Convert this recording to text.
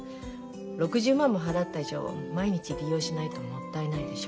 ６０万も払った以上毎日利用しないともったいないでしょ。